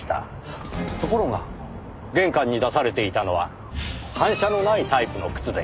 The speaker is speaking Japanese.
ところが玄関に出されていたのは反射のないタイプの靴でした。